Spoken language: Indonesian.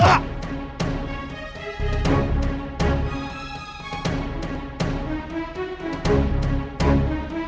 awasi setiap pesan dan telepon yang masuk